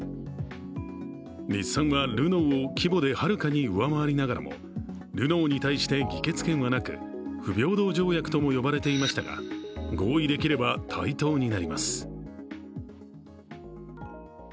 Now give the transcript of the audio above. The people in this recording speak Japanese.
日産はルノーを規模ではるかに上回りながらもルノーに対して議決権はなく、不平等条約とも呼ばれていましたが、合意できれば対等になります。